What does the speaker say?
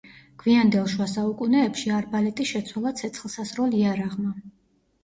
გვიანდელ შუა საუკუნეებში არბალეტი შეცვალა ცეცხლსასროლ იარაღმა.